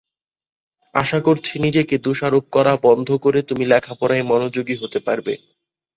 আশা করছি নিজেকে দোষারোপ করা বন্ধ করে তুমি লেখাপড়ায় মনোযোগী হতে পারবে।